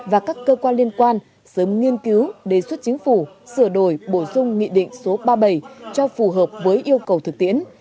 và các cơ quan liên quan sớm nghiên cứu đề xuất chính phủ sửa đổi bổ sung nghị định số ba mươi bảy cho phù hợp với yêu cầu thực tiễn